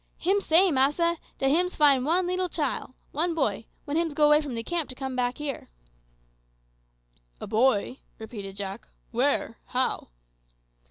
"Hims say, massa, dat hims find one leetle chile one boy when hims go away from de camp to come back to here." "A boy!" repeated Jack; "where how?"